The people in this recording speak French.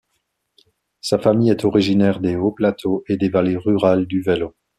Sa famille est originaire des hauts-plateaux et des vallées rurales du Wello.